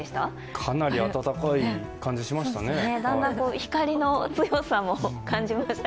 かなり暖かい感じしましたね。